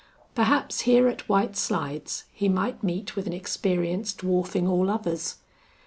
Perhaps here at White Slides he might meet with an experience dwarfing all others.